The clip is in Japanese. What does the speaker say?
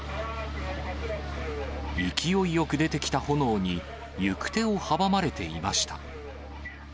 勢いよく出てきた炎に行く手を阻まれていました。